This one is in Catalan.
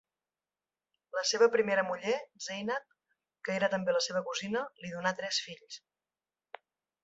La seva primera muller, Zeynab, que era també la seva cosina, li donà tres fills.